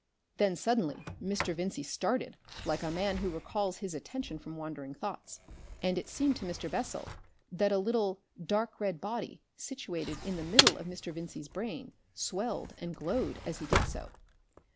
Then, suddenly, Mr. Vincey started like a man who recalls his attention from wandering thoughts, and it seemed to Mr. Bessel that a little dark red body situated in the middle of Mr. Vincey's brain swelled and glowed as he did so.